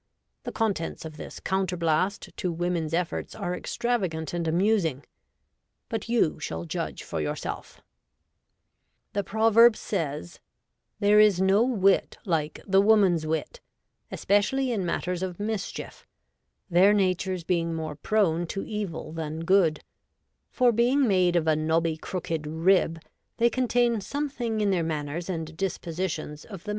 The contents of this counterblast to women's efforts are extravagant and amusing; but you shall judge for yourself: —' The proverb says, " There is no wit like the woman's wit," especially in matters of mischief, their natures being more prone to evil than good; for, being made of a knobby crooked rib, they contain something in their manners and dispositions of the DOMESTIC STRIFE.